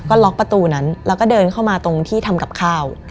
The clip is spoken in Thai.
ก็ล็อกประตูนั้นแล้วก็เดินเข้ามาตรงที่ทำกับข้าว